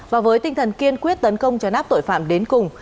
và với tinh thần kiên quyết tấn công cho nắp tội phạm đến cùng